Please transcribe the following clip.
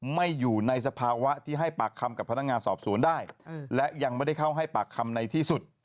ไม่อยู่ในสภาวะที่ให้ปากคำกับพนักงานสอบสวนได้และยังไม่ได้เข้าให้ปากคำในที่สุด